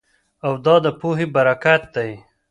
او دا د پوهې برکت دی